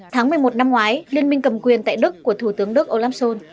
tháng một mươi một năm ngoái liên minh cầm quyền tại đức của thủ tướng đức olam son